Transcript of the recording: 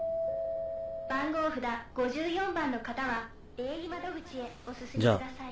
番号札５４番の方はＡ２窓口へお進みください。